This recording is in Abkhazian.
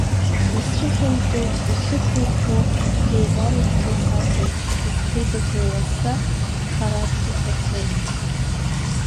Исцәыхьанҭоу, исықәыӷәӷәо еидаракгьы саҵам, исхибаҳәа, иласӡа, хара аԥҭақәа цоит.